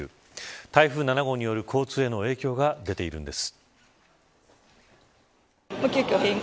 台風７号による交通への影響が出ているんです。